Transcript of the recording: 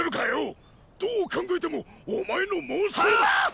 どう考えてもお前の妄想っ。